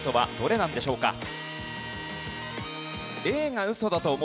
どれなんでしょうか？